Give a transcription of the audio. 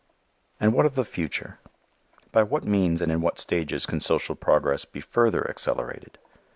And what of the future? By what means and in what stages can social progress be further accelerated?